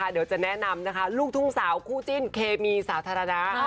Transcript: เดี๋ยวจะแนะนำนะคะลูกทุ่งสาวคู่จิ้นเคมีสาธารณะ